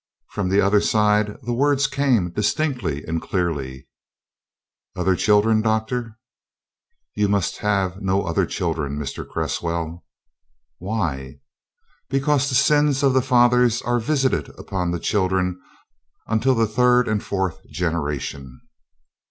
From the other side the words came distinctly and clearly: " other children, doctor?" "You must have no other children, Mr. Cresswell." "Why?" "Because the sins of the fathers are visited upon the children unto the third and fourth generation."